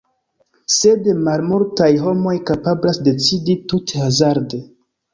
Sed malmultaj homoj kapablas decidi tute hazarde.